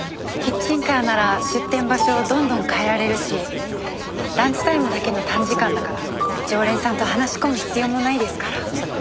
キッチンカーなら出店場所をどんどん変えられるしランチタイムだけの短時間だから常連さんと話し込む必要もないですから。